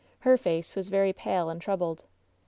Her face was very pale and troubled.